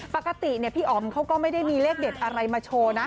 ปกติพี่อ๋อมเขาก็ไม่ได้มีเลขเด็ดอะไรมาโชว์นะ